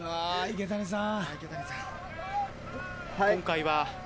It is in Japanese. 池谷さん。